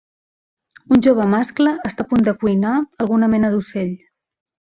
Un jove mascle està a punt de cuinar alguna mena d'ocell.